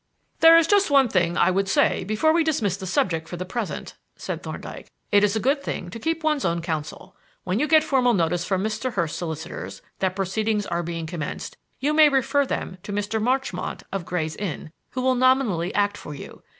"There is just one thing I would say before we dismiss the subject for the present," said Thorndyke. "It is a good thing to keep one's own counsel. When you get formal notice from Mr. Hurst's solicitors that proceedings are being commenced, you may refer them to Mr. Marchmont of Gray's Inn, who will nominally act for you.